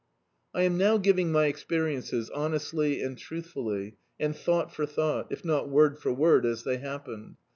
I am now giving my experiences honestly and truthfully, and thou^t for thou^t, if not word for word, as they happened.